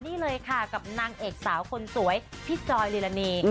นี่เลยค่ะกับนางเอกสาวคนสวยพี่จอยลีลานี